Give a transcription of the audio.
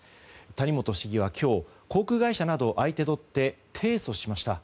谷本市議は今日航空会社などを相手取って提訴しました。